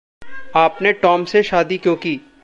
आपने टॉम से शादी क्यों की?